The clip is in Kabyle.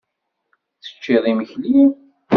Teččiḍ imekli?